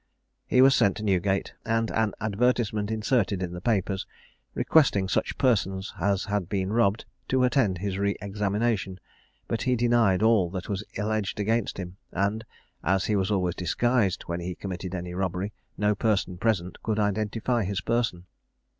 He was sent to Newgate, and an advertisement inserted in the papers, requesting such persons as had been robbed to attend his re examination but he denied all that was alleged against him; and, as he was always disguised when he committed any robbery, no person present could identify his person.